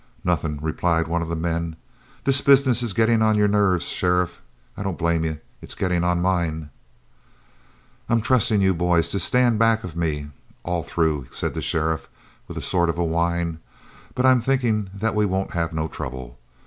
"Nothin'," replied one of the men. "This business is gettin' on your nerves, sheriff. I don't blame you. It's gettin' on mine." "I'm trustin' to you boys to stand back of me all through," said the sheriff with a sort of whine, "but I'm thinkin' that we won't have no trouble.